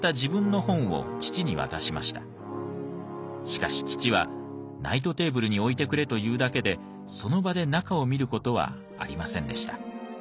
しかし父は「ナイトテーブルに置いてくれ」と言うだけでその場で中を見る事はありませんでした。